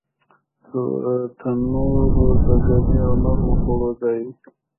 تنور د ګرمۍ او نرمو خوړو ځای دی